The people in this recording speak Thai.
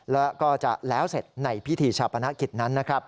แล้วก็จะแล้วเสร็จในพิธีชาปนกิจนั้นนะครับ